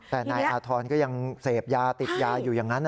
แต่นายอาธรณ์ก็ยังเสพยาติดยาอยู่อย่างนั้น